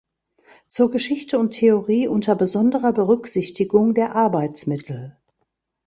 Zur Geschichte und Theorie unter besonderer Berücksichtigung der Arbeitsmittel“.